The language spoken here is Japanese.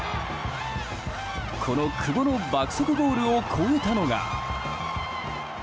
その久保の爆速ゴールを超えたのが。